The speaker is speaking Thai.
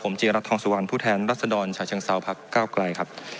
จีรัฐทองสุวรรณผู้แทนรัศดรชาเชิงเซาพักเก้าไกลครับ